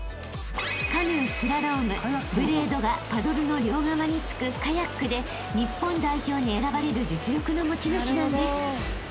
［カヌースラロームブレードがパドルの両側に付くカヤックで日本代表に選ばれる実力の持ち主なんです］